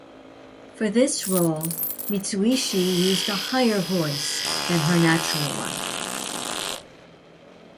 For this role, Mitsuishi used a higher voice than her natural one.